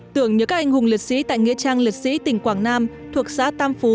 tưởng nhớ các anh hùng liệt sĩ tại nghĩa trang liệt sĩ tỉnh quảng nam thuộc xã tam phú